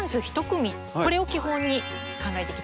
これを基本に考えていきたいと思います。